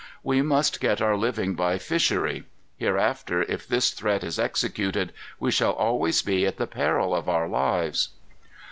We must get our living by fishery. Hereafter, if this threat is executed, we shall always be at the peril of our lives."